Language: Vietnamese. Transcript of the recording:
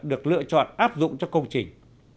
được lựa chọn áp dụng cho công trình